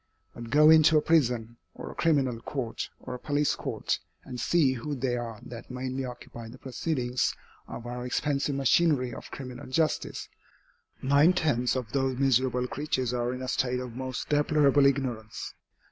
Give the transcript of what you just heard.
But go into a prison, or a criminal court, or a police court, and see who they are that mainly occupy the proceedings of our expensive machinery of criminal justice. Nine tenths of those miserable creatures are in a state of most deplorable ignorance.